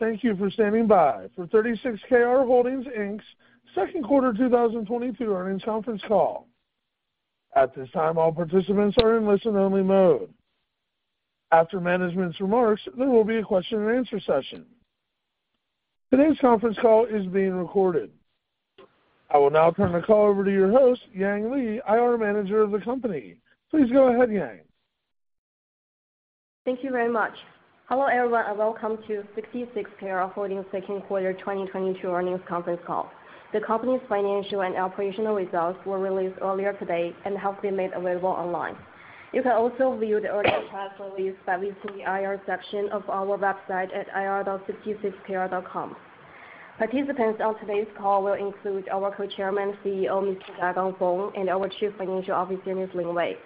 Thank you very much. Hello, everyone, and welcome to 36Kr Holdings Inc. Q2 2022 earnings conference call. The company's financial and operational results were released earlier today and have been made available online. You can also view the earnings press release by visiting the IR section of our website at ir.36kr.com. Participants on today's call will include our Co-chairman and CEO, Mr. Dagang Feng, and our Chief Financial Officer, Ms. Lin Wei.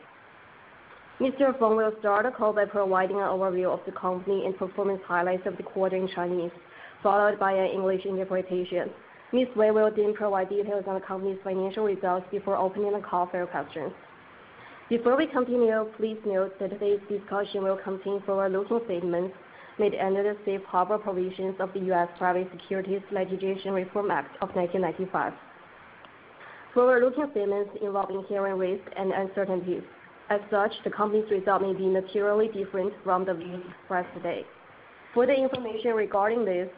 Mr. Feng will start the call by providing an overview of the company and performance highlights of the quarter in Chinese, followed by an English interpretation. Ms. Wei will then provide details on the company's financial results before opening the call for questions. Before we continue, please note that today's discussion will contain forward-looking statements made under the safe harbor provisions of the U.S. Private Securities Litigation Reform Act of 1995. Forward-looking statements involve inherent risks and uncertainties. As such, the company's results may be materially different from the views expressed today. Further information regarding these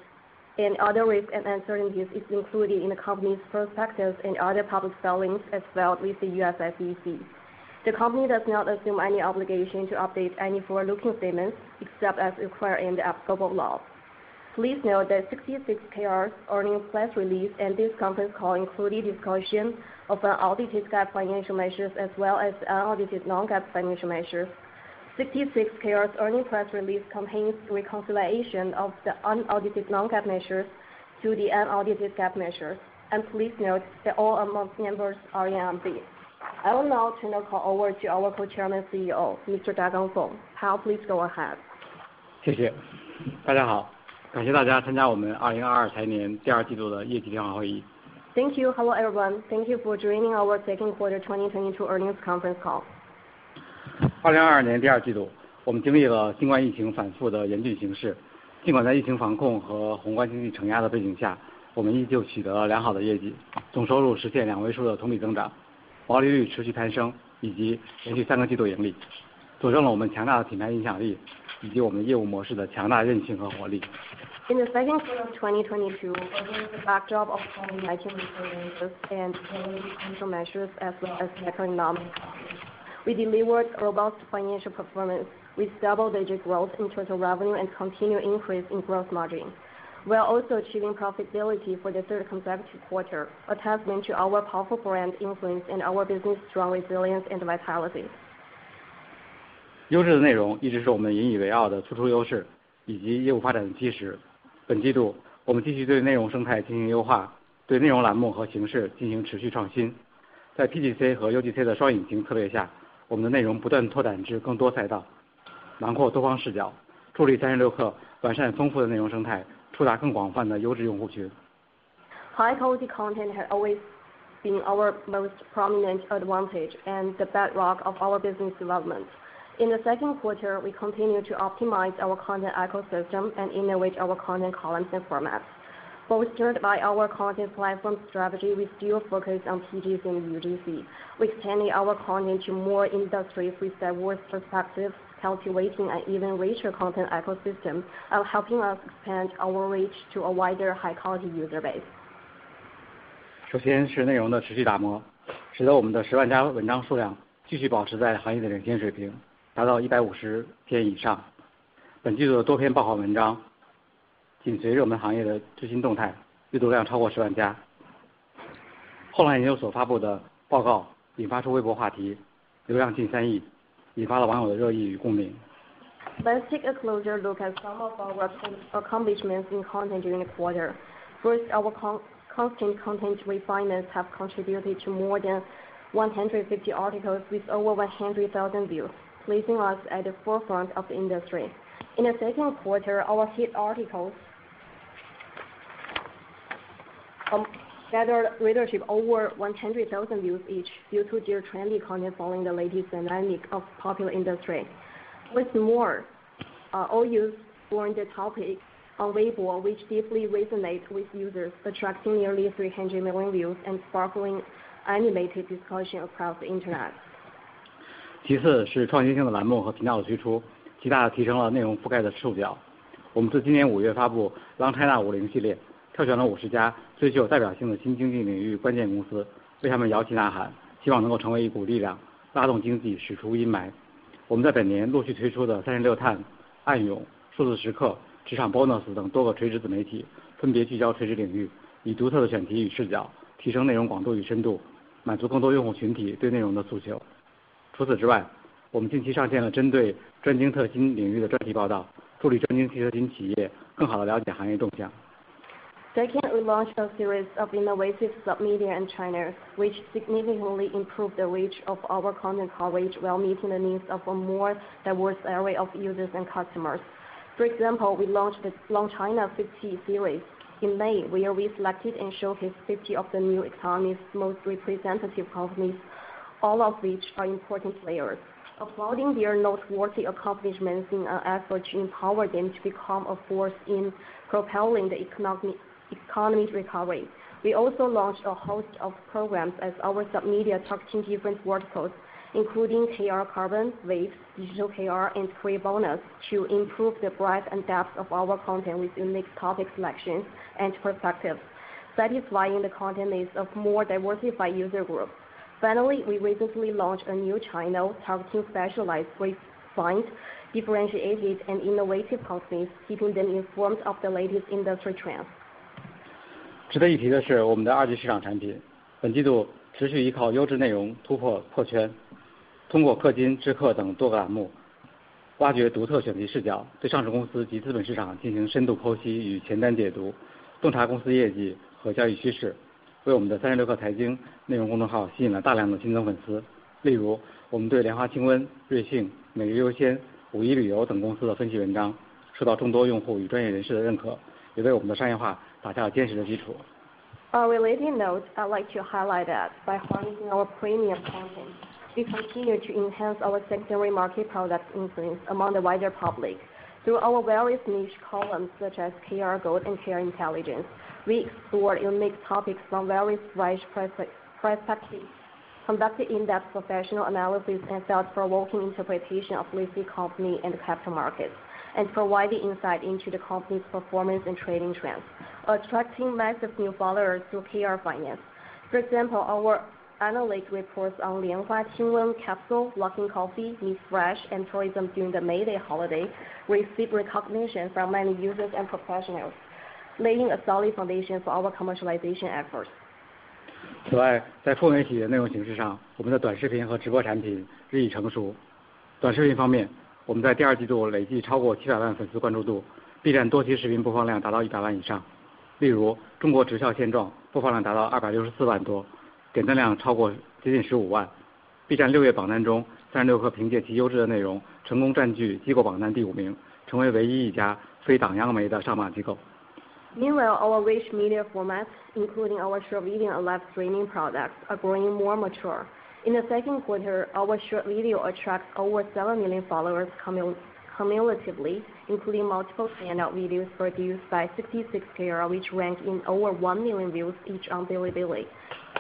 and other risks and uncertainties is included in the company's prospectus and other public filings as filed with the U.S. SEC. The company does not assume any obligation to update any forward-looking statements except as required by applicable law. Please note that 36Kr's earnings press release and this conference call include a discussion of our audited GAAP financial measures as well as unaudited non-GAAP financial measures. 36Kr's earnings press release contains reconciliation of the unaudited non-GAAP measures to the unaudited GAAP measures. Please note that all amounts discussed are in RMB. I will now turn the call over to our Co-chairman and CEO, Mr. Dagang Feng. Dagang, please go ahead. Thank you. Thank you. Hello, everyone. Thank you for joining our Q2 2022 earnings conference call. In the Q2 of 2022, against the backdrop of COVID-19 resurgence and continuing control measures as well as macroeconomic challenges, we delivered robust financial performance with double-digit growth in total revenue and continued increase in gross margin. We are also achieving profitability for the third consecutive quarter, a testament to our powerful brand influence and our business's strong resilience and vitality. High-quality content has always been our most prominent advantage and the bedrock of our business development. In the Q2, we continued to optimize our content ecosystem and innovate our content columns and formats. Bolstered by our content platform strategy, we still focus on PGC and UGC. We expanded our content to more industries with diverse perspectives, cultivating an even richer content ecosystem, helping us expand our reach to a wider high-quality user base. Let's take a closer look at some of our accomplishments in content during the quarter. First, our constant content refinements have contributed to more than 150 articles with over 100,000 views, placing us at the forefront of the industry. In the Q2, our hit articles gathered readership over 100,000 views each due to their trendy content following the latest dynamics of popular industries. What's more, all user-generated topics on Weibo, which deeply resonate with users, attracting nearly 300 million views and sparking animated discussion across the internet. Second, we launched a series of innovative submedia in China, which significantly improved the reach of our content coverage while meeting the needs of a more diverse array of users and customers. For example, we launched the Long China 50 series in May, where we selected and showcased 50 of the new economy's most representative companies. All of which are important players. Applauding their noteworthy accomplishments in our effort to empower them to become a force in propelling the economy's recovery. We also launched a host of programs as our sub-media targeting different workforce, including KR Carbon, WAVES, Digital KR, and Free Bonus to improve the breadth and depth of our content within mixed topic selections and perspectives, satisfying the content needs of more diversified user group. Finally, we recently launched a new channel targeting specialized differentiated and innovative companies, keeping them informed of the latest industry trends. [Foregin language] On a related note, I'd like to highlight that by harnessing our premium content, we continue to enhance our secondary market product influence among the wider public. Through our various niche columns such as KR Gold and KR Intelligence, we explore and make topics from various perspectives, conduct in-depth professional analysis, and thought-provoking interpretation of listed company and capital markets, and providing insight into the company's performance and trading trends, attracting massive new followers through KR Finance. For example, our analyst reports on Lianhua Qingwen, Luckin Coffee, MissFresh, and tourism during the May Day holiday received recognition from many users and professionals, laying a solid foundation for our commercialization efforts. (Foregin language) Meanwhile, our rich media formats, including our short video and live streaming products, are growing more mature. In the Q2, our short video attracted over 7 million followers cumulatively, including multiple standout videos produced by 36Kr, which racked up over 1 million views each on Bilibili.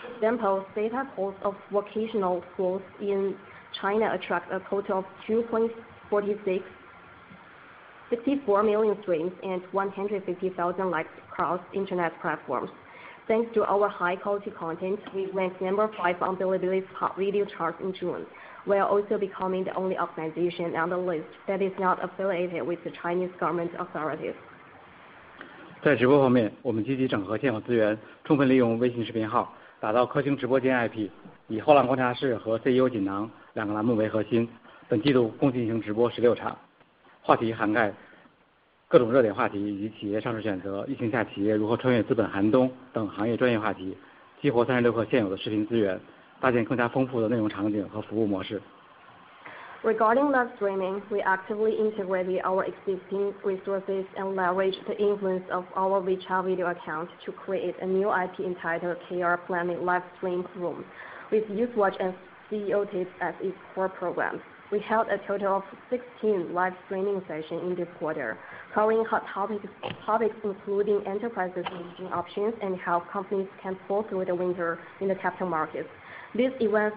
For example, data posts of vocational schools in China attract a total of 150,000 likes across internet platforms. Thanks to our high quality content, we ranked number 5 on Bilibili's top video charts in June, while also becoming the only organization on the list that is not affiliated with the Chinese government authorities. (Foregin language) Regarding live streaming, we actively integrated our existing resources and leveraged the influence of our WeChat Video Account to create a new IP entitled KR Planet Live Streams Room, with Youth Watch and CEO Tips as its core programs. We held a total of 16 live streaming sessions in this quarter, covering hot topics including enterprises listing options and how companies can get through the winter in the capital markets. These events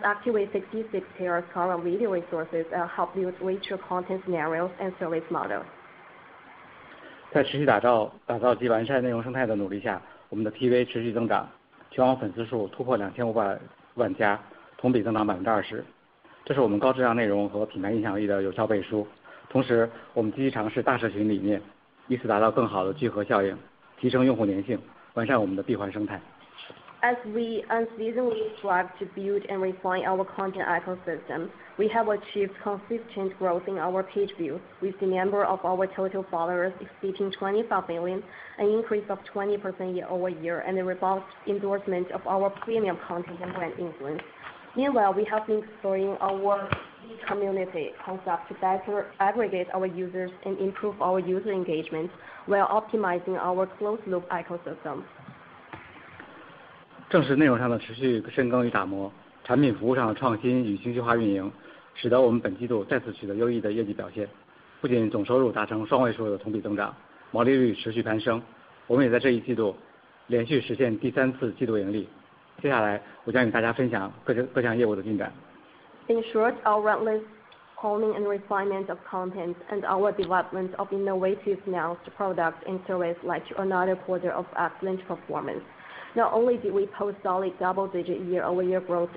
help build richer content scenarios and service models. (Foregin language) As we unceasingly strive to build and refine our content ecosystem, we have achieved consistent growth in our page views, with the number of our total followers exceeding 25 million, an increase of 20% year-over-year, and a robust endorsement of our premium content and brand influence. Meanwhile, we have been exploring our community concept to better aggregate our users and improve our user engagement while optimizing our closed-loop ecosystem. (Foregin language) In short, our relentless honing and refinement of content and our development of innovative new products and service led to another quarter of excellent performance. Not only did we post solid double-digit year-over-year growth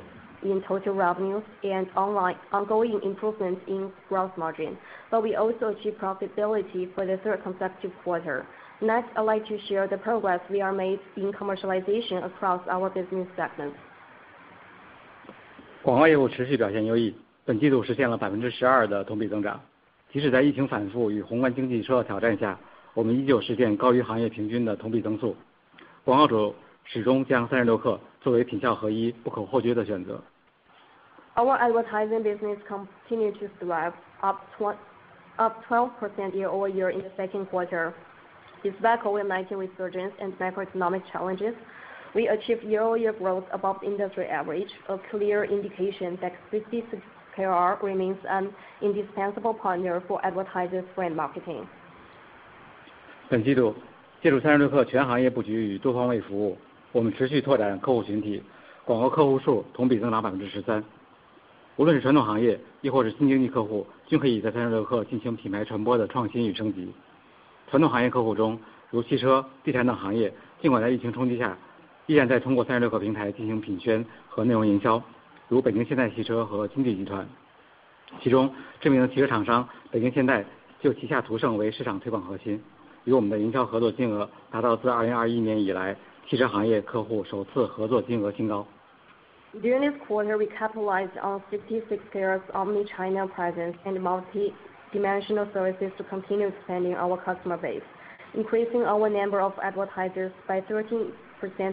in total revenues and ongoing improvements in gross margin, but we also achieved profitability for the third consecutive quarter. Next, I'd like to share the progress we've made in commercialization across our business segments. (Foregin language) Our advertising business continued to thrive, up 12% year-over-year in the Q2. despite COVID-19 resurgence and macroeconomic challenges, we achieved year-over-year growth above industry average, a clear indication that 36Kr remains an indispensable partner for advertisers brand marketing. (Foregin language) During this quarter, we capitalized on 36Kr's omni-channel presence and multi-dimensional services to continue expanding our customer base, increasing our number of advertisers by 13%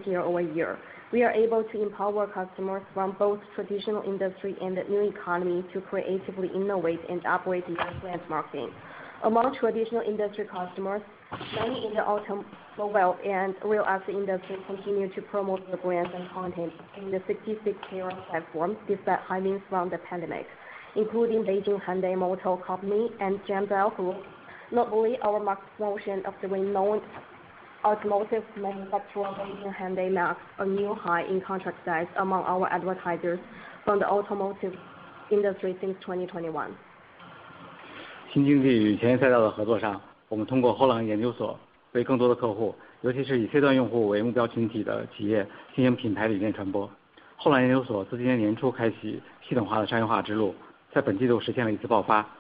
year-over-year. We are able to empower customers from both traditional industry and the new economy to creatively innovate and operate their brand marketing. Among traditional industry customers, many in the automobile and real estate industry continue to promote their brands and content in the 36Kr platform despite headwinds from the pandemic, including Beijing Hyundai, and Gemdale Group. Not only our marketing promotion of the renowned automotive manufacturer Beijing Hyundai marks a new high in contract size among our advertisers from the automotive industry since 2021. (Foregin language) With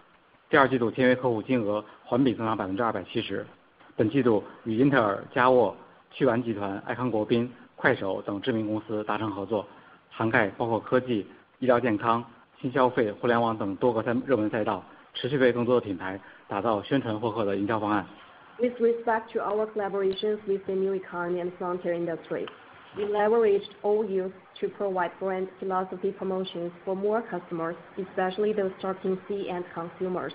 respect to our collaborations with the new economy and frontier industries, we leveraged OU to provide brand philosophy promotions for more customers, especially those targeting C-end consumers.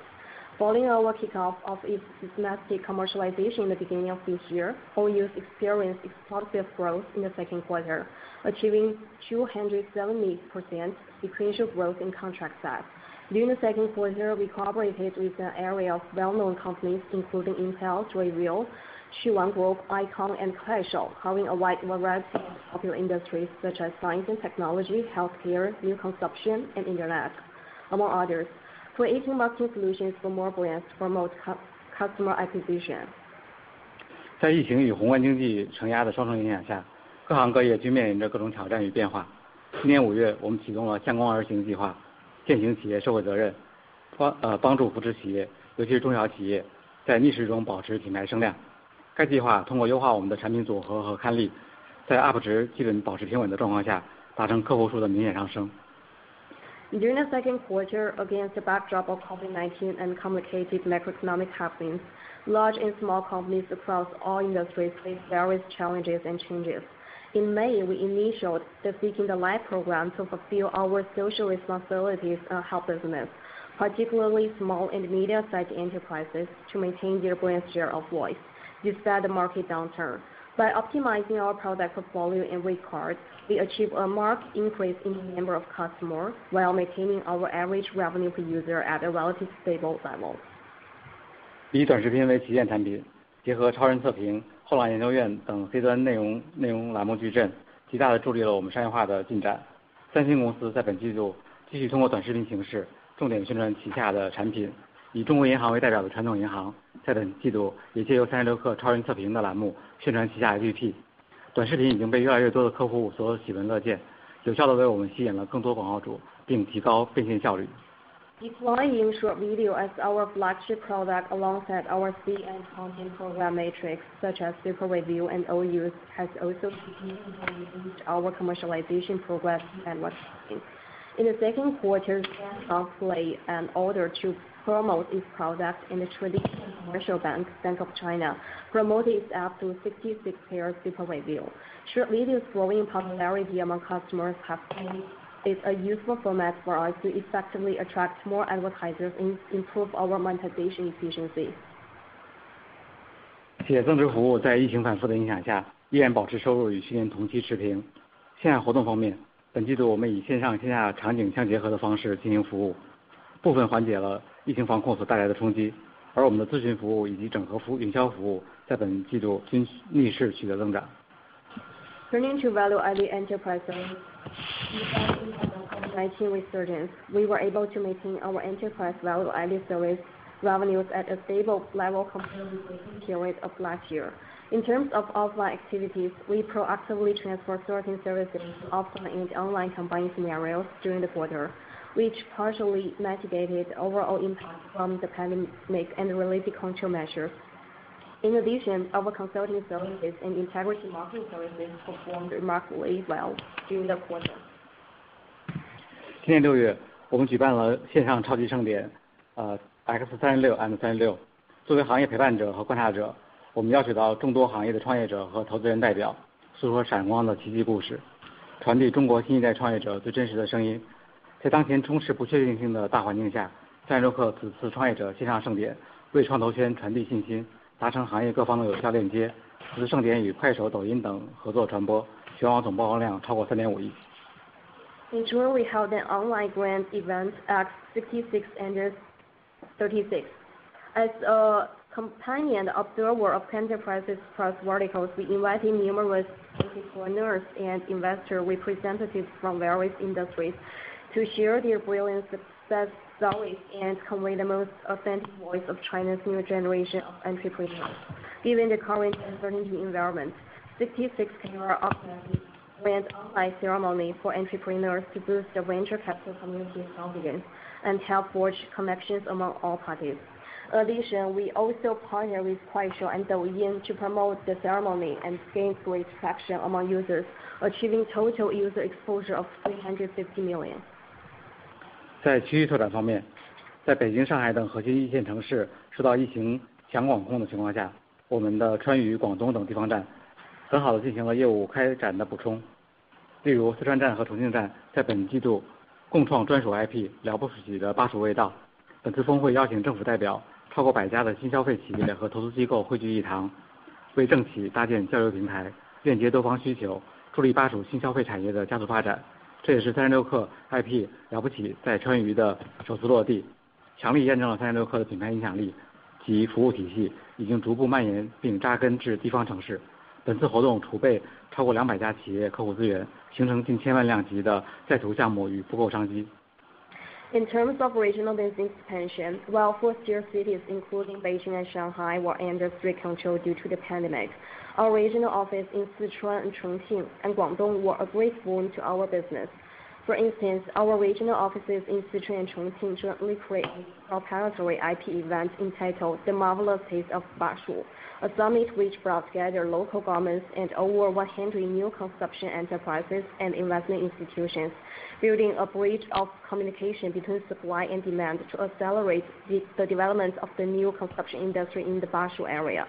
Following our kickoff of its domestic commercialization the beginning of this year, OU experienced explosive growth in the Q2, achieving 270% sequential growth in contract size. During the Q2, we cooperated with an array of well-known companies including Intel, Joyvio, Quwan Holding, iKang, and Kuaishou, covering a wide array of popular industries such as science and technology, healthcare, new consumption, and internet, among others, creating marketing solutions for more brands to promote customer acquisition. (Foregin language) During the Q2, against the backdrop of COVID-19 and complicated macroeconomic happenings, large and small companies across all industries faced various challenges and changes. In May, we initiated the Seeking the Light program to fulfill our social responsibilities and help businesses, particularly small and medium-sized enterprises, to maintain their brand share of voice despite the market downturn. By optimizing our product portfolio and rate cards, we achieved a marked increase in the number of customers while maintaining our average revenue per user at a relatively stable level. (Foregin language) Deploying short video as our flagship product alongside our C-end content program matrix such as Super Review and Youth Watch has also significantly boosted our commercialization progress. In the Q2, Samsung placed an order to promote its product in the traditional commercial bank, Bank of China, promoting its app through 36Kr Super Review. Short video's growing popularity among customers has proved it is a useful format for us to effectively attract more advertisers and improve our monetization efficiency. (Foregin language) Turning to value added enterprise service. Despite the COVID-19 resurgence, we were able to maintain our enterprise value added service revenues at a stable level compared with the same period of last year. In terms of offline activities, we proactively transferred certain services to offline and online combined scenarios during the quarter, which partially mitigated the overall impact from the pandemic and related control measures. In addition, our consulting services and integrity marketing services performed remarkably well during the quarter. (Foregin language) In June, we held an online grand event at 36Kr. As a companion observer of enterprises cross verticals, we invited numerous entrepreneurs and investor representatives from various industries to share their brilliant success stories and convey the most authentic voice of China's new generation of entrepreneurs. Given the current uncertainty environment, 36Kr organized grand online ceremony for entrepreneurs to boost the venture capital community's confidence and help forge connections among all parties. In addition, we also partner with Kuaishou and Douyin to promote the ceremony and gain great traction among users, achieving total user exposure of 350 million. (Foregin language) In terms of regional business expansion, while first-tier cities including Beijing and Shanghai were under strict control due to the pandemic, our regional office in Sichuan and Chongqing and Guangdong were a great boon to our business. For instance, our regional offices in Sichuan and Chongqing jointly created a participatory IP event entitled The Marvelous Taste of Ba-Shu, a summit which brought together local governments and over 100 new consumption enterprises and investment institutions, building a bridge of communication between supply and demand to accelerate the development of the new consumption industry in the Ba-Shu area.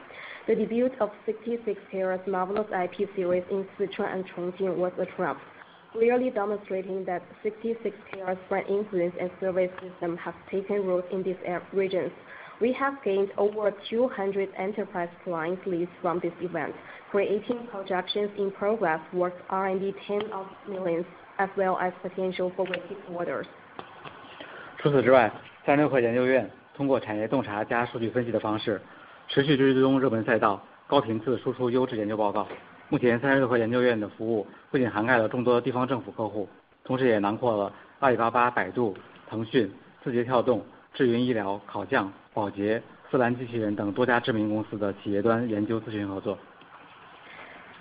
The debut of 36Kr's marvelous IP series in Sichuan and Chongqing was a triumph, clearly demonstrating that 36Kr's brand influence and service system have taken root in these regions. We have gained over 200 enterprise client leads from this event, creating projects in progress worth RMB tens of millions, as well as potential cooperative orders. (Foregin language)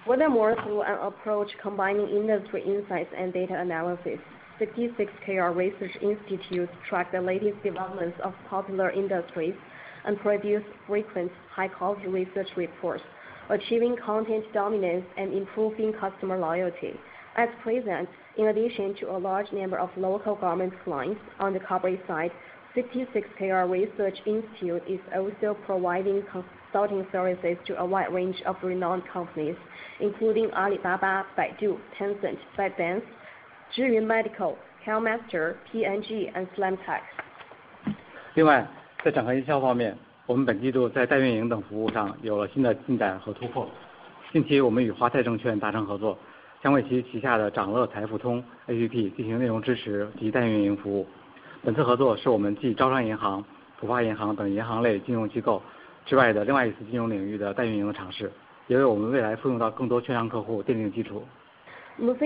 Furthermore, through an approach combining industry insights and data analysis, 36Kr Research Institute tracks the latest developments of popular industries and produces frequent high quality research reports, achieving content dominance and improving customer loyalty. At present, in addition to a large number of local government clients on the corporate side, 36Kr Research Institute is also providing consulting services to a wide range of renowned companies, including Alibaba, Baidu, Tencent, ByteDance, Zhiyun Health, iKang,P&G, and SLAMTEC. (Foregin language) Moving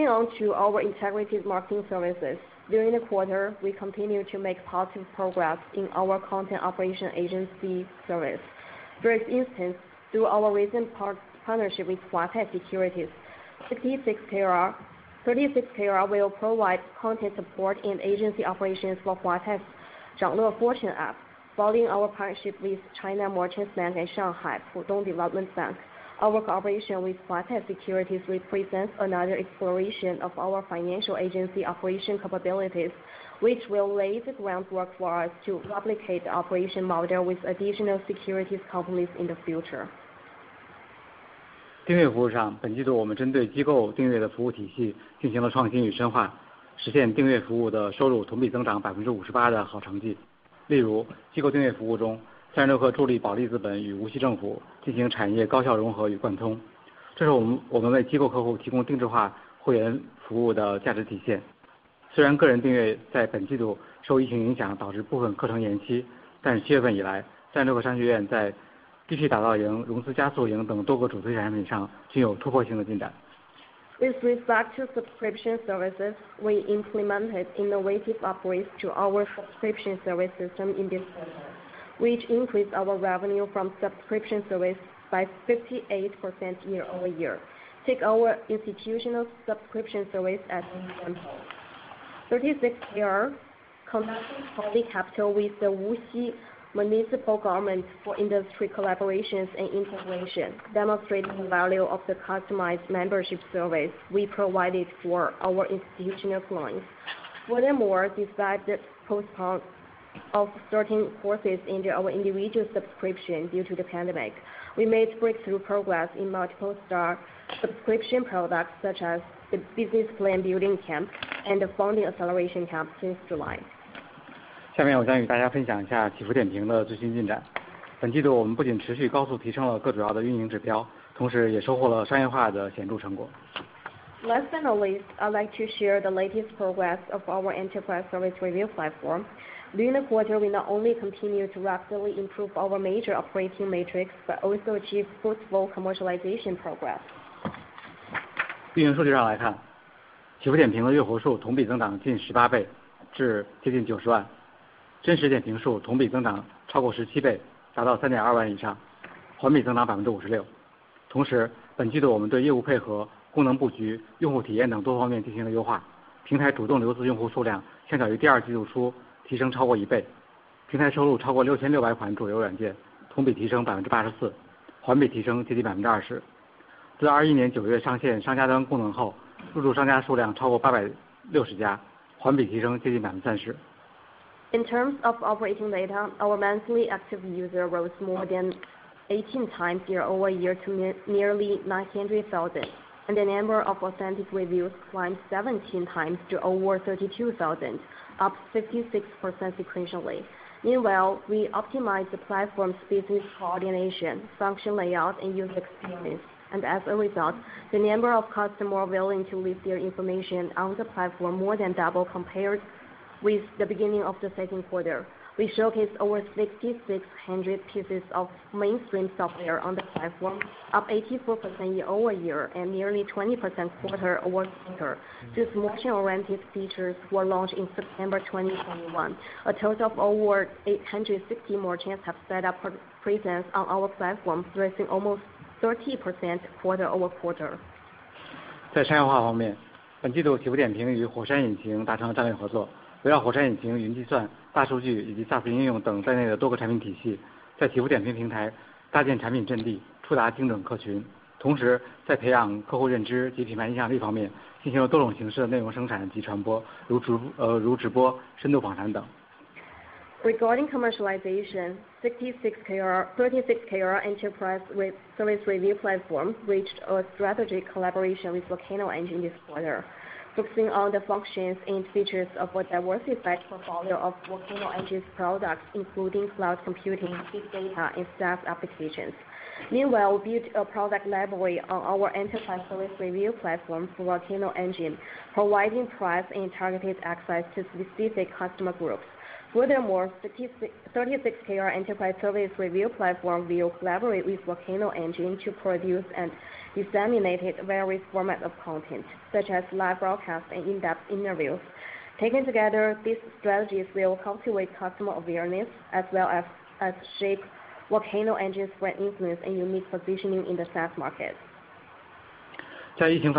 on to our integrated marketing services. During the quarter, we continue to make positive progress in our content operation agency service. For instance, through our recent partnership with Huatai Securities, 36Kr will provide content support and agency operations for Huatai Securities' ZhangLe following our partnership with China Merchants Bank and Shanghai Pudong Development Bank, our cooperation with Huatai Securities represents another exploration of our financial agency operation capabilities, which will lay the groundwork for us to replicate the operation model with additional securities companies in the future. (Foregin language) With respect to subscription services, we implemented innovative upgrades to our subscription service system in this quarter, which increased our revenue from subscription service by 58% year-over-year. Take our institutional subscription service as an example. 36Kr connected Poly Capital with the Wuxi Municipal Government for industry collaborations and integration, demonstrating the value of the customized membership service we provided for our institutional clients. Furthermore, despite the postponement of certain courses in our individual subscription due to the pandemic, we made breakthrough progress in multiple star subscription products such as the Business Plan Building Camp and the Founding Acceleration Camp since July. (Foregin language) Last but not least, I'd like to share the latest progress of our Enterprise Service Review Platform. During the quarter, we not only continue to rapidly improve our major operating metrics, but also achieve fruitful commercialization progress. (Foregin language) In terms of operating data, our monthly active user rose more than 18 times year-over-year to nearly 900,000, and the number of authentic reviews climbed 17 times to over 32,000, up 56% sequentially. Meanwhile, we optimized the platform's business coordination, function layout, and user experience. As a result, the number of customers willing to leave their information on the platform more than double compared with the beginning of the Q2. We showcased over 6,600 pieces of mainstream software on the platform, up 84% year-over-year and nearly 20% quarter-over-quarter. These merchant-oriented features were launched in September 2021. A total of over 860 merchants have set up presence on our platform, rising almost 30% quarter-over-quarter. (Foregin language) Regarding commercialization, 36Kr Enterprise Service Review Platform reached a strategic collaboration with Volcano Engine this quarter, focusing on the functions and features of a diversified portfolio of Volcano Engine's products, including cloud computing, big data, and SaaS applications. Meanwhile, we built a product library on our Enterprise Service Review Platform for Volcano Engine, providing precise and targeted access to specific customer groups. Furthermore, 36Kr Enterprise Service Review Platform will collaborate with Volcano Engine to produce and disseminate various formats of content such as live broadcast and in-depth interviews. Taken together, these strategies will cultivate customer awareness as well as shape Volcano Engine's brand influence and unique positioning in the SaaS market. (Foregin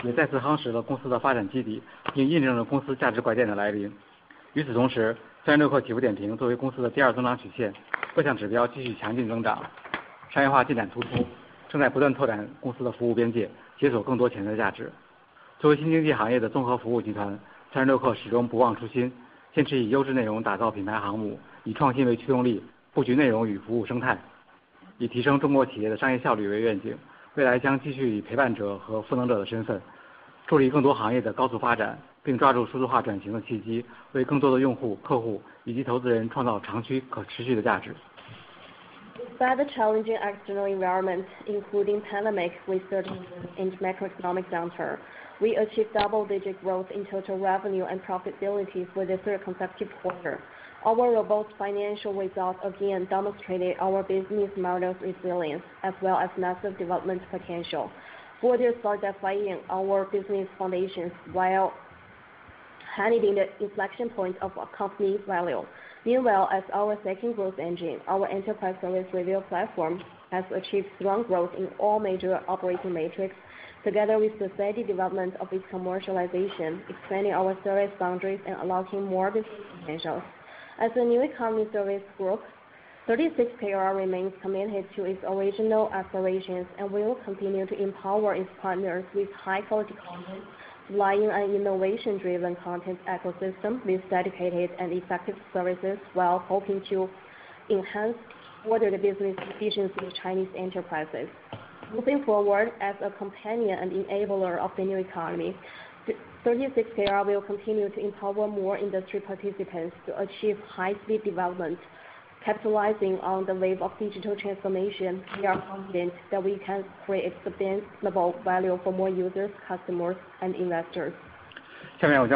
language) Despite the challenging external environment, including pandemic resurgence and macroeconomic downturn, we achieved double-digit growth in total revenue and profitability for the third consecutive quarter. Our robust financial results again demonstrated our business model's resilience as well as massive development potential. These quarters are defining our business foundations while heralding the inflection point of our company value. Meanwhile, as our second growth engine, our Enterprise Service Review Platform has achieved strong growth in all major operating metrics together with the steady development of its commercialization, expanding our service boundaries and unlocking more business potentials. As a new economy service group, 36Kr remains committed to its original aspirations and will continue to empower its partners with high-quality content, relying on innovation-driven content ecosystem with dedicated and effective services while hoping to enhance further the business efficiency of Chinese enterprises. Moving forward, as a companion and enabler of the new economy, 36Kr will continue to empower more industry participants to achieve high-speed development. Capitalizing on the wave of digital transformation, we are confident that we can create sustainable value for more users, customers, and investors. (Foregin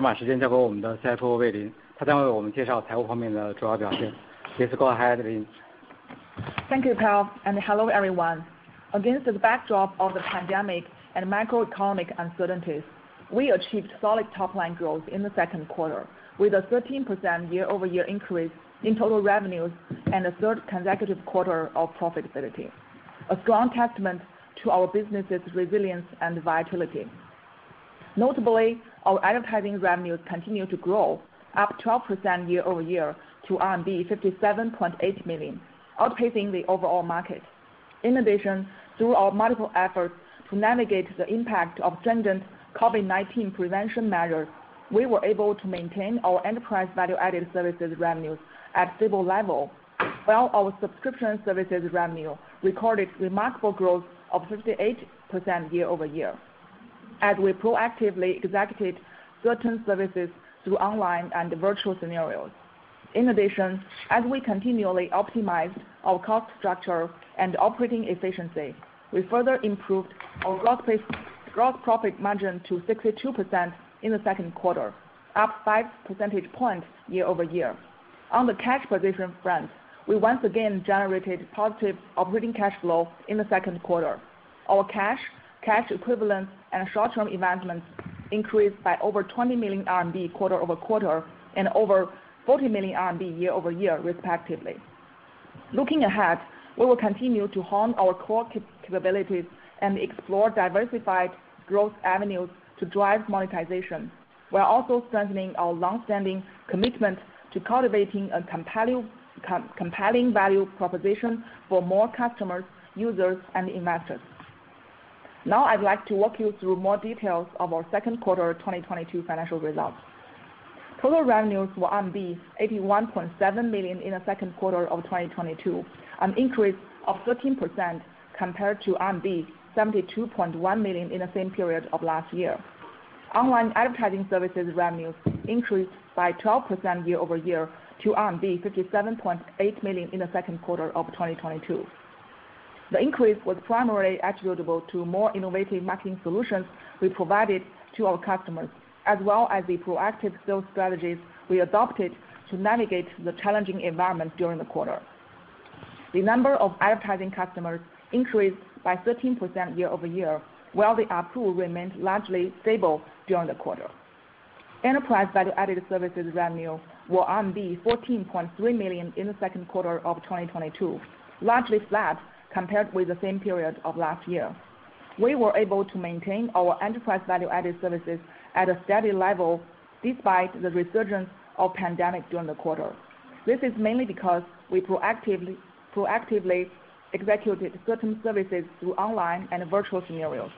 language) Please go ahead, Lin. Thank you, Dagang Feng. Hello everyone. Against the backdrop of the pandemic and macroeconomic uncertainties, we achieved solid top-line growth in the Q2 with a 13% year-over-year increase in total revenues and a third consecutive quarter of profitability, a strong testament to our business's resilience and vitality. Notably, our advertising revenues continued to grow up 12% year-over-year to RMB 57.8 million, outpacing the overall market. In addition, through our multiple efforts to navigate the impact of stringent COVID-19 prevention measures, we were able to maintain our enterprise value-added services revenues at stable level, while our subscription services revenue recorded remarkable growth of 58% year-over-year, as we proactively executed certain services through online and virtual scenarios. In addition, as we continually optimized our cost structure and operating efficiency, we further improved our gross profit margin to 62% in the Q2, up 5 percentage points year-over-year. On the cash position front, we once again generated positive operating cash flow in the Q2. Our cash and cash equivalents and short-term investments increased by over 20 million RMB quarter-over-quarter and over 40 million RMB year-over-year respectively. Looking ahead, we will continue to hone our core capabilities and explore diversified growth avenues to drive monetization, while also strengthening our long-standing commitment to cultivating a compelling value proposition for more customers, users, and investors. Now I'd like to walk you through more details of our Q2 2022 financial results. Total revenues were 81.7 million in the Q2 of 2022, an increase of 13% compared to 72.1 million in the same period of last year. Online advertising services revenues increased by 12% year-over-year to RMB 57.8 million in the Q2 of 2022. The increase was primarily attributable to more innovative marketing solutions we provided to our customers as well as the proactive sales strategies we adopted to navigate the challenging environment during the quarter. The number of advertising customers increased by 13% year-over-year while the ARPU remained largely stable during the quarter. Enterprise value-added services revenue were 14.3 million in the Q2 of 2022, largely flat compared with the same period of last year. We were able to maintain our enterprise value-added services at a steady level despite the resurgence of pandemic during the quarter. This is mainly because we proactively executed certain services through online and virtual scenarios.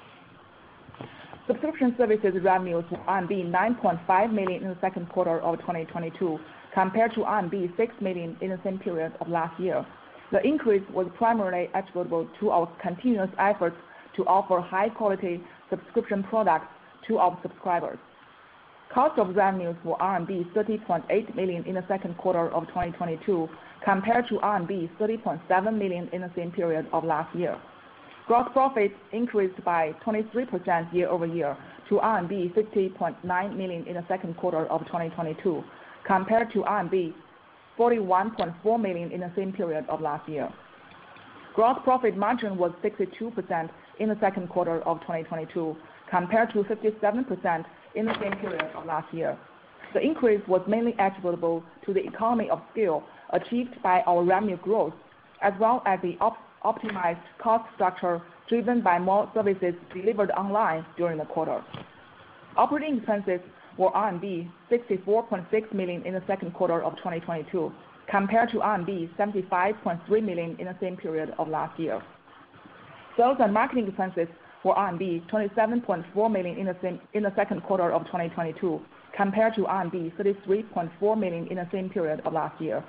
Subscription services revenues were RMB 9.5 million in the Q2 of 2022 compared to RMB 6 million in the same period of last year. The increase was primarily attributable to our continuous efforts to offer high-quality subscription products to our subscribers. Cost of revenues was RMB 30.8 million in the Q2 of 2022 compared to RMB 30.7 million in the same period of last year. Gross profits increased by 23% year-over-year to RMB 50.9 million in the Q2 of 2022 compared to RMB 41.4 million in the same period of last year. Gross profit margin was 62% in the Q2 of 2022 compared to 57% in the same period of last year. The increase was mainly attributable to the economies of scale achieved by our revenue growth as well as the optimized cost structure driven by more services delivered online during the quarter. Operating expenses were RMB 64.6 million in the Q2 of 2022 compared to RMB 75.3 million in the same period of last year. Sales and marketing expenses were RMB 27.4 million in the Q2 of 2022 compared to RMB 33.4 million in the same period of last year.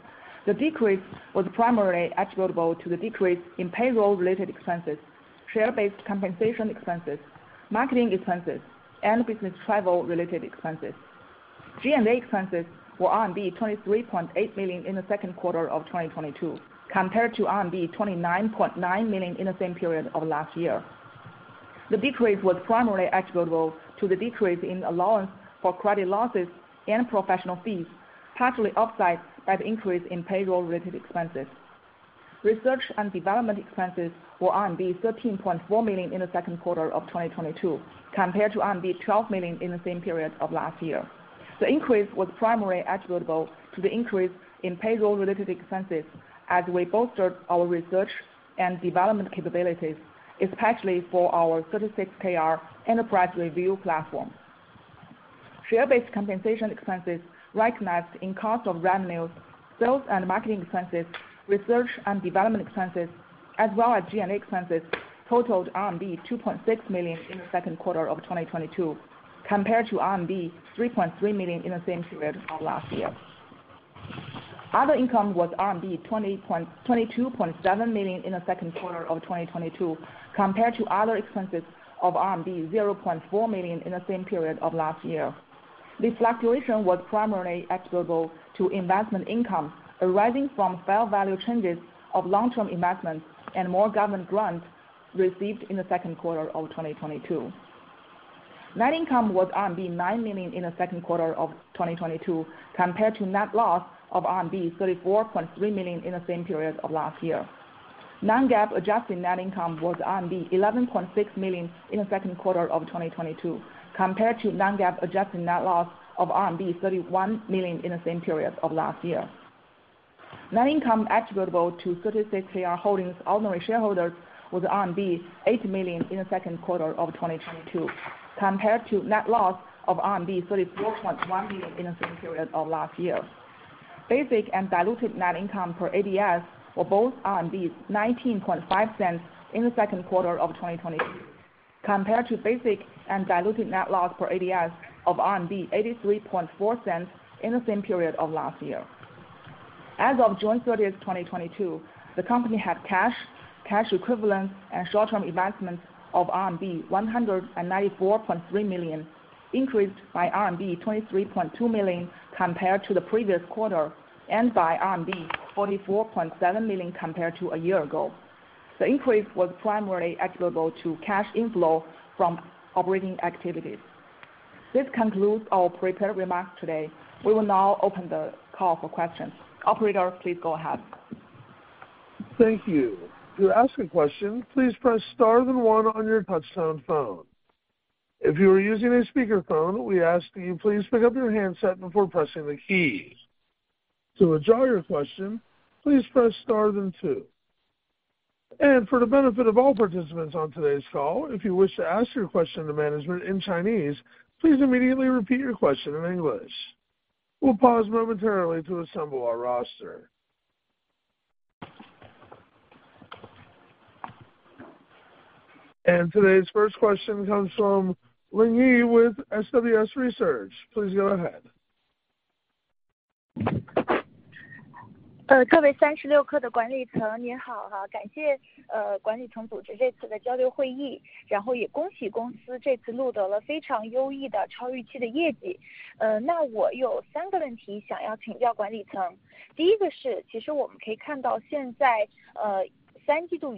The decrease was primarily attributable to the decrease in payroll-related expenses, share-based compensation expenses, marketing expenses, and business travel related expenses. G&A expenses were RMB 23.8 million in the Q2 of 2022 compared to RMB 29.9 million in the same period of last year. The decrease was primarily attributable to the decrease in allowance for credit losses and professional fees, partially offset by the increase in payroll-related expenses. Research and development expenses were RMB 13.4 million in the Q2 of 2022 compared to RMB 12 million in the same period of last year. The increase was primarily attributable to the increase in payroll-related expenses as we bolstered our research and development capabilities, especially for our 36Kr Enterprise Service Review Platform. Share-based compensation expenses recognized in cost of revenues, sales and marketing expenses, research and development expenses as well as G&A expenses totaled RMB 2.6 million in the Q2 of 2022 compared to RMB 3.3 million in the same period of last year. Other income was RMB 22.7 million in the Q2 of 2022 compared to other expenses of RMB 0.4 million in the same period of last year. This fluctuation was primarily attributable to investment income arising from fair value changes of long-term investments and more government grants received in the Q2 of 2022. Net income was RMB 9 million in the Q2 of 2022 compared to net loss of RMB 34.3 million in the same period of last year. non-GAAP adjusted net income was RMB 11.6 million in the Q2 of 2022 compared to non-GAAP adjusted net loss of RMB 31 million in the same period of last year. Net income attributable to 36Kr Holdings ordinary shareholders was RMB 8 million in the Q2 of 2022, compared to net loss of RMB 34.1 million in the same period of last year. Basic and diluted net income per ADS were both 19.5 cents in the Q2 of 2022, compared to basic and diluted net loss per ADS of RMB 83.4 cents in the same period of last year. As of June 30th, 2022, the company had cash equivalents and short-term investments of RMB 194.3 million, increased by RMB 23.2 million compared to the previous quarter and by RMB 44.7 million compared to a year ago. The increase was primarily attributable to cash inflow from operating activities. This concludes our prepared remarks today. We will now open the call for questions. Operator, please go ahead. (Foregin language)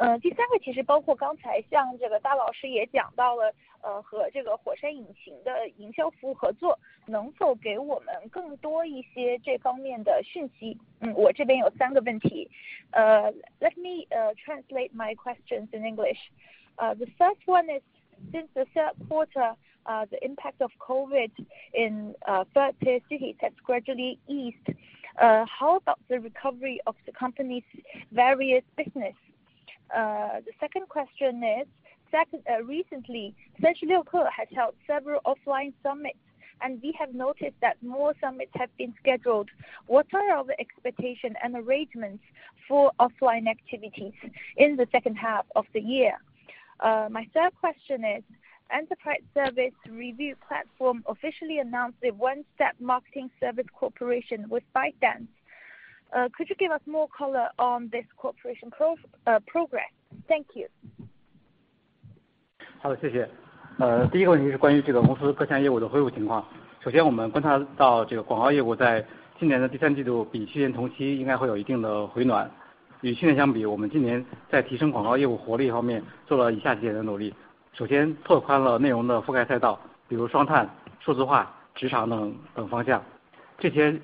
Let me translate my questions in English. The first one is since the Q3, the impact of COVID in first-tier cities has gradually eased. How about the recovery of the company's various business? The second question is, recently, 36Kr has held several offline summits, and we have noticed that more summits have been scheduled. What are your expectation and arrangements for offline activities in the second half of the year? My third question is Enterprise Service Review Platform officially announced a one-stop marketing service cooperation with ByteDance. Could you give us more color on this cooperation progress? Thank you. (Foregin language)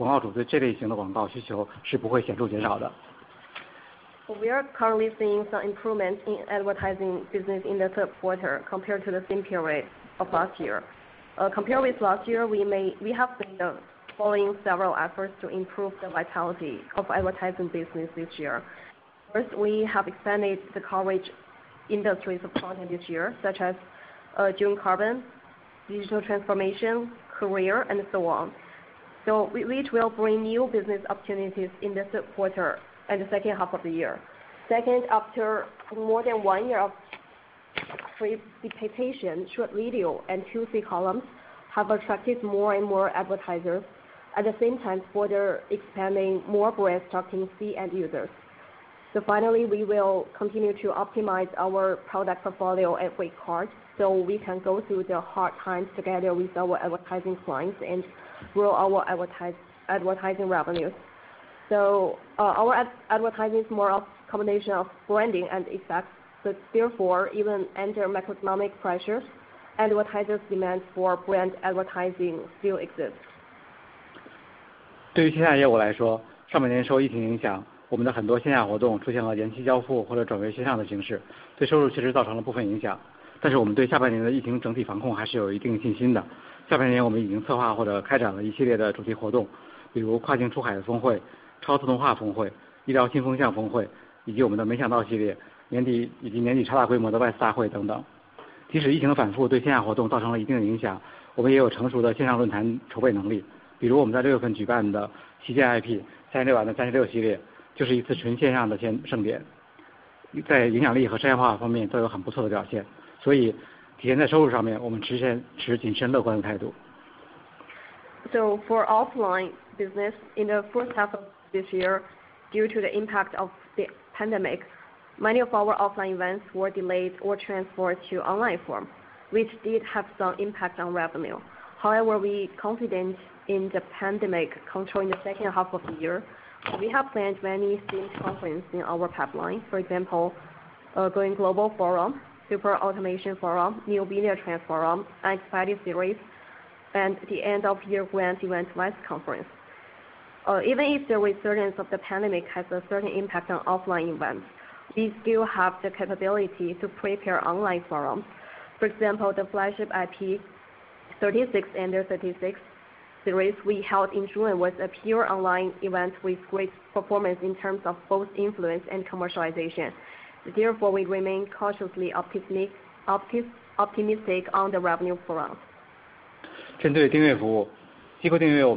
We are currently seeing some improvement in advertising business in the Q3 compared to the same period of last year. Compared with last year, we have been following several efforts to improve the vitality of advertising business this year. First, we have expanded the coverage industries of content this year, such as Dual Carbon, digital transformation, career, and so on. We will bring new business opportunities in the Q3 and the second half of the year. Second, after more than one year of free short video and new column have attracted more and more advertisers. At the same time, further expanding more brand targeting C-end users. We will continue to optimize our product portfolio and price card so we can go through the hard times together with our advertising clients and grow our advertising revenues. Our advertising is more a combination of branding and effects. Therefore, even under macroeconomic pressures, advertisers' demand for brand advertising still exists. (Foregin language) (Foregin language) For offline business in the first half of this year, due to the impact of the pandemic, many of our offline events were delayed or transferred to online form, which did have some impact on revenue. However, we are confident in the pandemic control in the second half of the year. We have planned many themed conferences in our pipeline, for example, Going Global Forum, Super Automation Forum, Neo Business Forum, X Series, and the end-of-year event WISE Conference. Even if the resurgence of the pandemic has a certain impact on offline events, we still have the capability to prepare online forums. For example, the flagship IP 36 Under 36 series we held in June was a pure online event with great performance in terms of both influence and commercialization. Therefore, we remain cautiously optimistic on the revenue front. (Foregin language)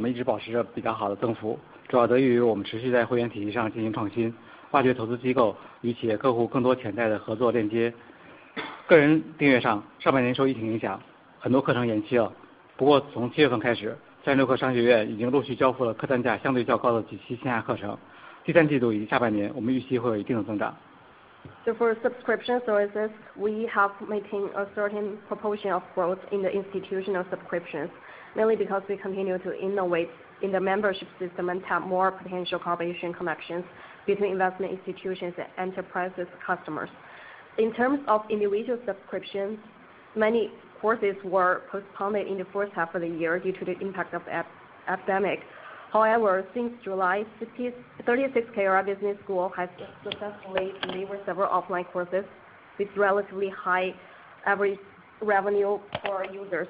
For subscription services, we have maintained a certain proportion of growth in the institutional subscriptions, mainly because we continue to innovate in the membership system and tap more potential cooperation connections between investment institutions and enterprise customers. In terms of individual subscriptions, many courses were postponed in the first half of the year due to the impact of epidemic. However, since July, 36Kr Business School has successfully delivered several online courses with relatively high average revenue per user.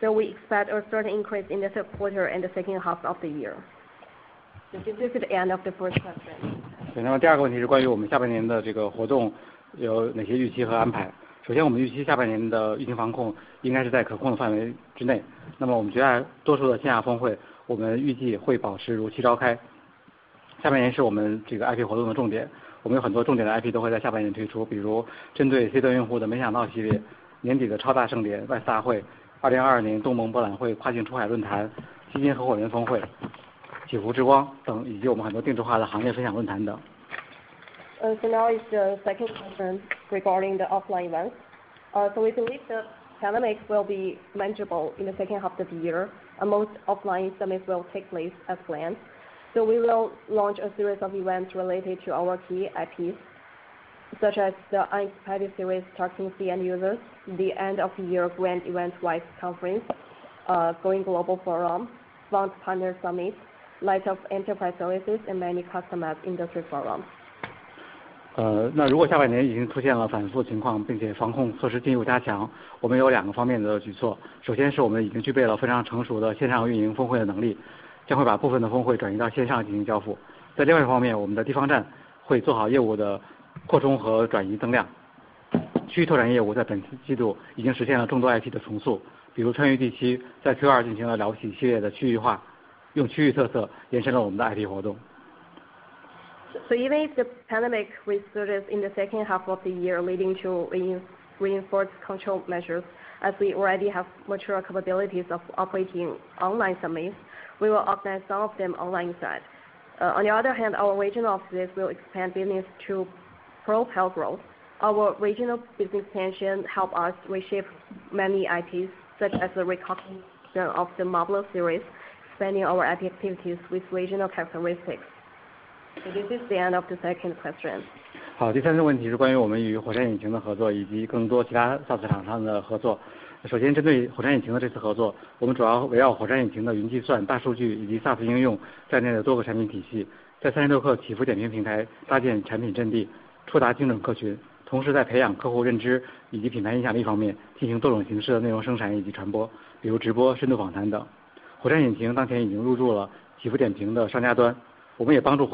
We expect a certain increase in the Q3 and the second half of the year. This is the end of the first question. (Foregin language) Now is the second question regarding the offline events. We believe that pandemic will be manageable in the second half of the year, and most offline summits will take place as planned. We will launch a series of events related to our key IPs, such as the Unexpected Series targeting the end users, the end of the year grand event WISE Conference, Going Global Forum, China Fund Partner Summit, Light of Enterprise Services, and many customized industry forums. (Foregin language) Even if the pandemic resurfaced in the second half of the year, leading to reinforced control measures, as we already have mature capabilities of operating online summits, we will organize some of them online side. On the other hand, our regional offices will expand business to propel growth. Our regional business expansion help us reshape many IPs, such as the recognition of the Marvelous series, expanding our IP activities with regional characteristics. This is the end of the second question. (Foregin language)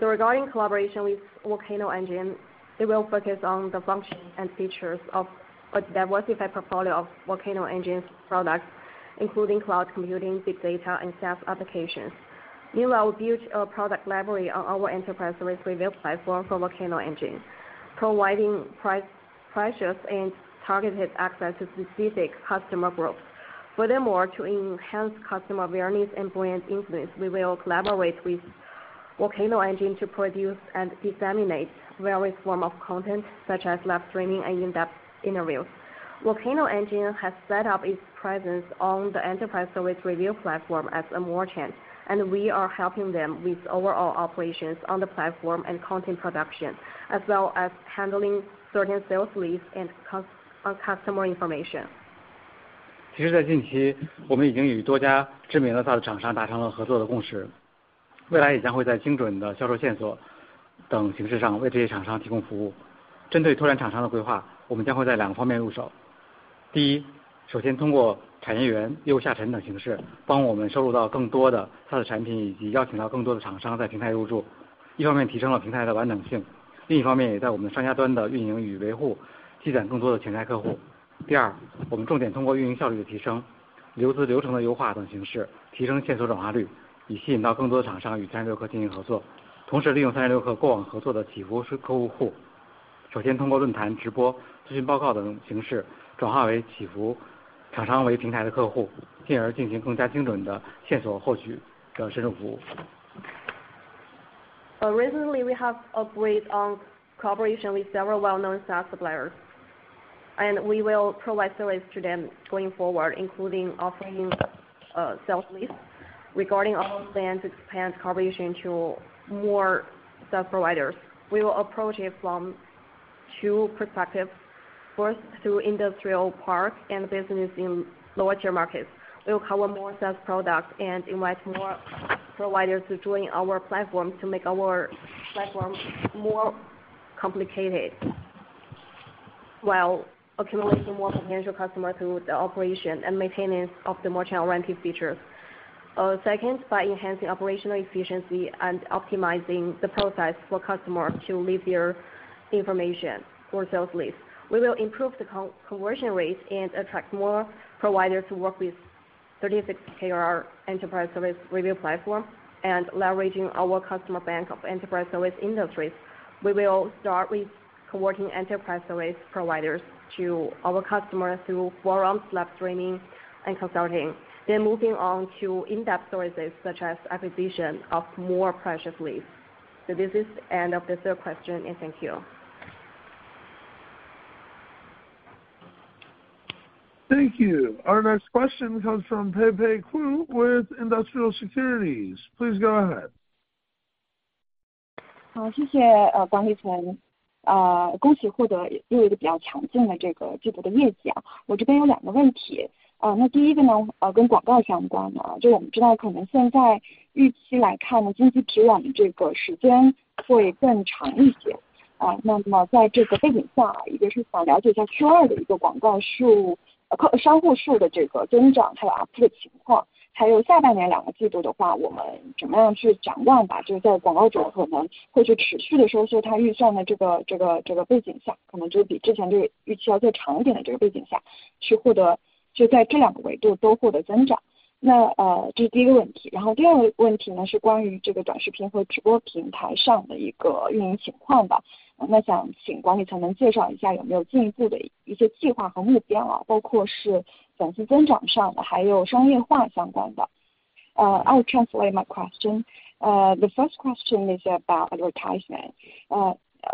Regarding collaboration with Volcano Engine, it will focus on the function and features of a diversified portfolio of Volcano Engine's products, including cloud computing, big data, and SaaS applications. Meanwhile, build a product library on our Enterprise Service Review Platform for Volcano Engine, providing providing precise and targeted access to specific customer groups. Furthermore, to enhance customer awareness and brand influence, we will collaborate with Volcano Engine to produce and disseminate various forms of content such as live streaming and in-depth interviews. Volcano Engine has set up its presence on the Enterprise Service Review Platform as a merchant, and we are helping them with overall operations on the platform and content production, as well as handling certain sales leads and customer information. (Foregin language) (Foregin language) Recently we have a great cooperation with several well-known suppliers. We will provide service to them going forward, including offering sales leads. Regarding our plans to expand cooperation to more service providers, we will approach it from two perspectives. First, through industrial park and business in lower-tier markets. We will cover more such products and invite more providers to join our platform to make our platform more complicated, while accumulating more potential customers through the operation and maintenance of the merchant-oriented features. Second, by enhancing operational efficiency and optimizing the process for customers to leave their information for sales leads. We will improve the conversion rate and attract more providers to work with 36Kr Enterprise Service Review Platform, leveraging our customer base of enterprise service industries. We will start with converting enterprise service providers to our customers through forum, live training and consulting, then moving on to in-depth services such as acquisition of more precious leads. This is end of the third question and thank you. Thank you. Our next question comes from Peipei Gu with Industrial Securities. Please go ahead. (Foregin language) (Foregin language) Uh, I'll translate my question. The first question is about advertisement.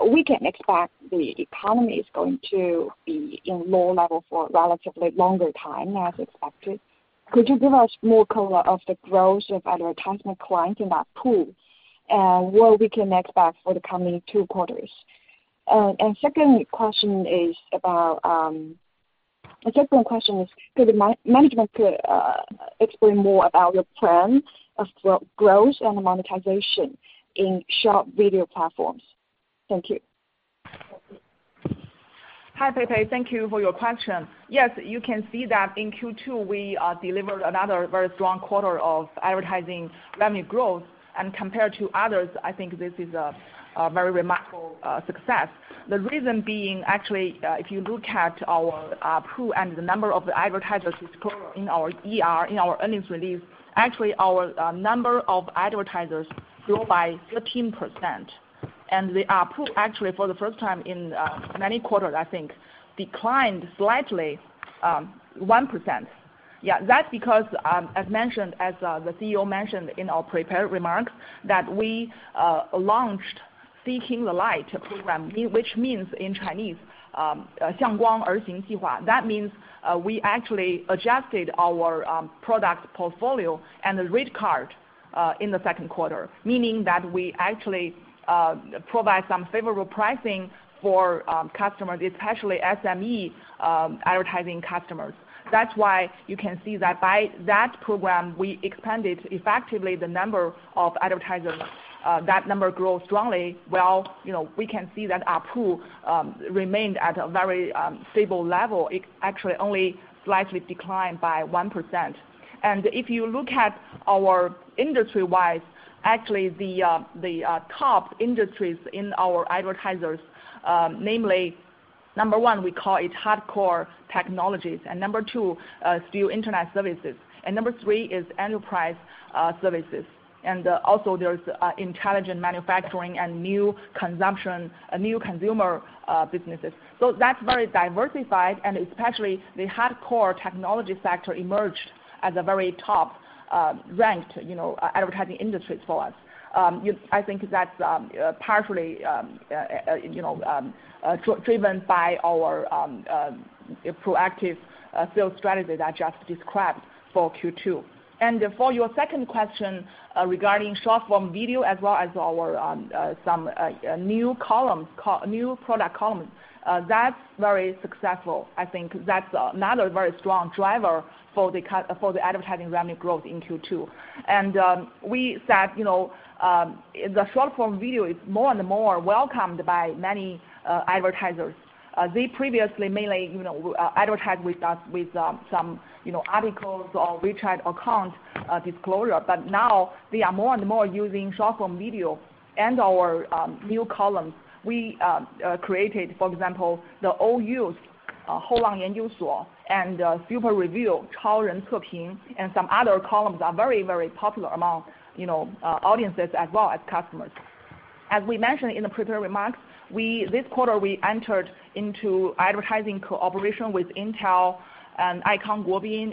We can expect the economy is going to be in low level for relatively longer time as expected. Could you give us more color of the growth of advertisement clients in that pool? And what we can expect for the coming two quarters? The second question is, could management explain more about your plan of growth and monetization in short video platforms? Thank you. Hi, Peipei. Thank you for your question. Yes, you can see that in Q2, we delivered another very strong quarter of advertising revenue growth. Compared to others, I think this is a very remarkable success. The reason being actually, if you look at our pool and the number of advertisers disclosed in our ER, in our earnings release, actually, our number of advertisers grew by 13%. The pool actually for the first time in many quarters, I think, declined slightly 1%. Yeah, that's because, as mentioned, the CEO mentioned in our prepared remarks that we launched Seeking the Light program, which means in Chinese, (Foregin language) That means, we actually adjusted our product portfolio and the rate card in the Q2, meaning that we actually provide some favorable pricing for customers, especially SME advertising customers. That's why you can see that by that program, we expanded effectively the number of advertisers. That number grew strongly. While, you know, we can see that our ARPU remained at a very stable level, it actually only slightly declined by 1%. If you look at our industry-wise, actually the top industries in our advertisers, namely number one, we call it hardcore technologies. Number two is the internet services. Number three is enterprise services. There's intelligent manufacturing and new consumption, new consumer businesses. That's very diversified. Especially the hardcore technology sector emerged as a very top ranked, you know, advertising industry for us. I think that's partially, you know, driven by our proactive sales strategy that I just described for Q2. For your second question regarding short form video as well as our some new product columns, that's very successful. I think that's another very strong driver for the advertising revenue growth in Q2. We said, you know, the short form video is more and more welcomed by many advertisers. They previously mainly, you know, advertise with us with some, you know, articles or WeChat account disclosure. Now they are more and more using short form video and our new columns. We created, for example, the OUs. Super Review, and some other columns are very, very popular among, you know, audiences as well as customers. As we mentioned in the prepared remarks, this quarter, we entered into advertising cooperation with Intel and iKang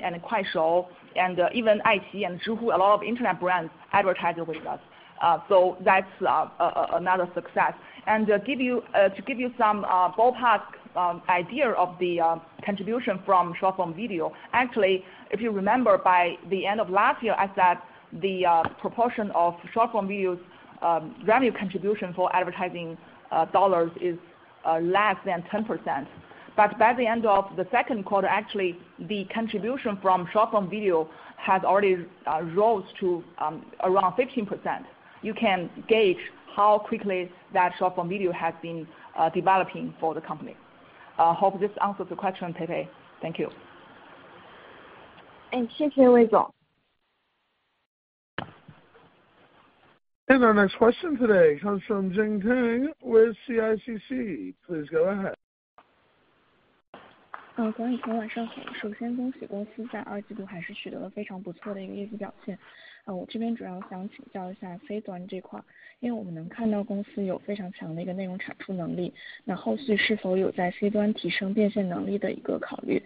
and Kuaishou, and even iQIYI and Zhihu, a lot of internet brands advertised with us. That's another success. To give you some ballpark idea of the contribution from short-form video, actually, if you remember by the end of last year, I said the proportion of short-form video's revenue contribution for advertising dollars is less than 10%. By the end of the Q2, actually, the contribution from short-form video has already rose to around 15%. You can gauge how quickly that short-form video has been developing for the company. Hope this answers the question, Peipei. Thank you. Thank you, Lin Wei.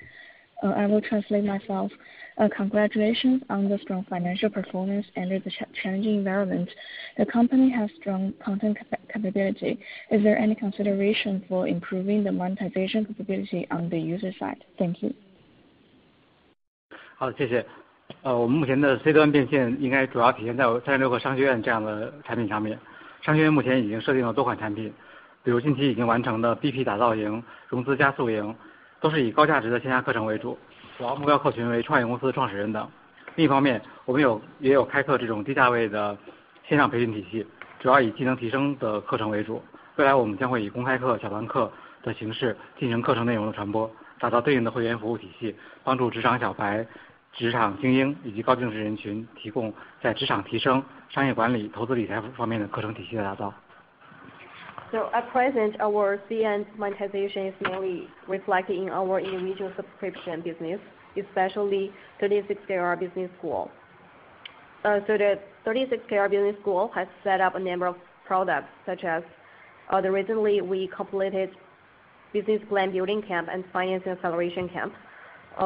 I will translate myself. Congratulations on the strong financial performance under the challenging environment. The company has strong content capability. Is there any consideration for improving the monetization capability on the user side? Thank you. At present, our content monetization is mainly reflecting in our individual subscription business, especially 36Kr Business School. The 36Kr Business School has set up a number of products, such as, recently we completed Business Plan Building Camp and Founding Acceleration Camp,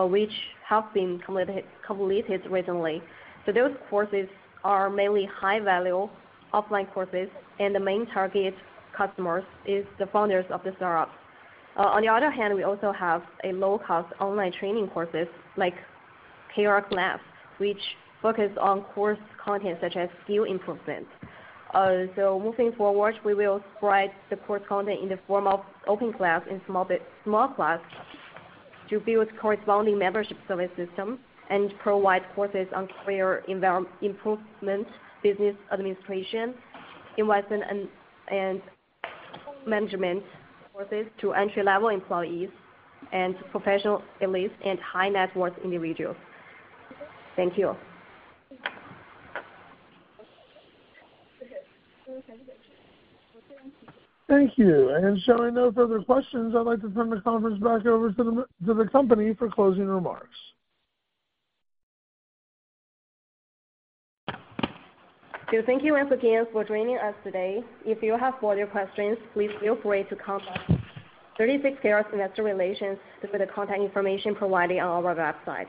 which have been completed recently. Those courses are mainly high value offline courses, and the main target customers is the founders of the startups. On the other hand, we also have a low cost online training courses, like Kr School, which focus on course content such as skill improvement. Moving forward, we will provide the course content in the form of open class and small class to build corresponding membership service system and provide courses on career improvement, business administration, investment and management courses to entry-level employees and professional elites and high net worth individuals. Thank you. Thank you, analysts for joining us today. If you have further questions, please feel free to contact 36Kr Investor Relations through the contact information provided on our website.